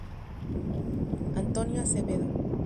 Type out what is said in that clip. Antonio Acevedo.